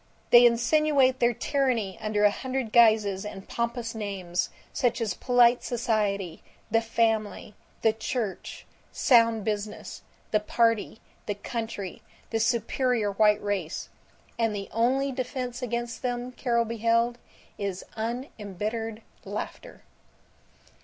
They insinuate their tyranny under a hundred guises and pompous names, such as Polite Society, the Family, the Church, Sound Business, the Party, the Country, the Superior White Race; and the only defense against them, Carol beheld, is unembittered laughter.